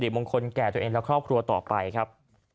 มงคลแก่ตัวเองและครอบครัวต่อไปครับ